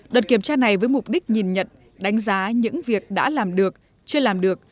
đợt kiểm tra này với mục đích nhìn nhận đánh giá những việc đã làm được chưa làm được